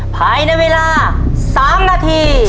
ภายในเวลา๓นาที